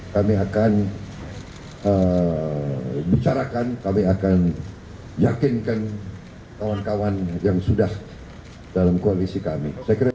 kami akan bicarakan kami akan yakinkan kawan kawan yang sudah dalam koalisi kami